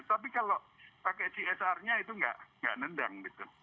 tapi kalau pakai csrnya itu nggak nendang gitu